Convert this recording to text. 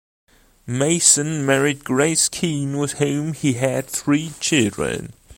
Mason married Grace Keen, with whom he had three children.